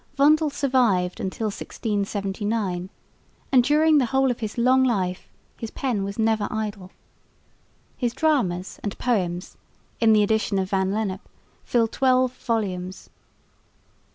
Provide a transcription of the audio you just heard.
Vondel survived till 1679, and during the whole of his long life his pen was never idle. His dramas and poems (in the edition of Van Lennep) fill twelve volumes.